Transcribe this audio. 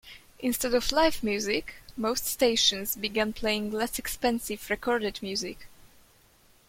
Instead of live music, most stations began playing less expensive recorded music.